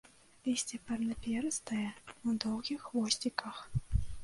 Лісце парнаперыстае, на доўгіх хвосціках.